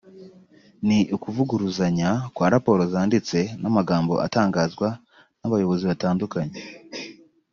ni ukuvuguruzanya kwa raporo zanditse n’amagambo atangazwa n’abayobozi batandukanye